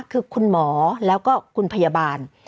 คือคุณหมอแล้วก็คุณพยาบาล